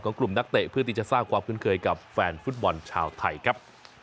ขอบคุณครับ